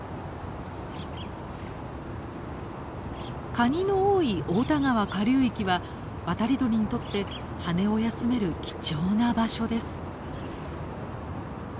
カニの多い太田川下流域は渡り鳥にとって羽を休める貴重な場所です。